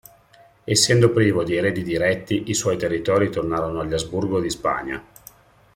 Essendo privo di eredi diretti, i suoi territori tornarono agli Asburgo di Spagna.